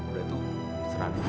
udah tuh seran